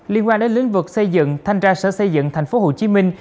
liên quan đến lĩnh vực xây dựng thanh tra sở xây dựng thành phố hồ chí minh